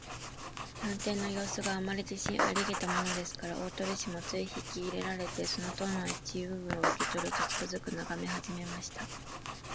探偵のようすが、あまり自信ありげだものですから、大鳥氏もつい引きいれられて、その塔の一部分を受けとると、つくづくとながめはじめました。